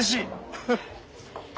フフッ。